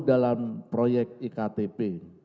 dalam proyek iktp